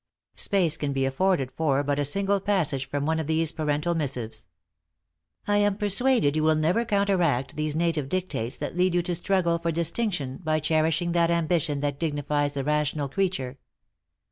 Space can be afforded for but a single passage from one of these parental missives: "I am persuaded you will never counteract those native dictates that lead you to struggle for distinction by cherishing that ambition that dignifies the rational creature.